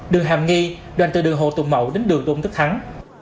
đường hàm nghi đoàn từ đường hồ tùng mậu đến đường tôn đức thắng